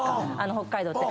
北海道って。